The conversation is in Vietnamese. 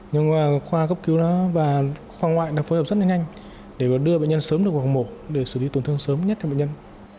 nhưng khoa cấp cứu và khoa ngoại đã phối hợp rất là nhanh để đưa bệnh nhân sớm được vào mổ để xử dịch tổn thương sớm nhất cho bệnh nhân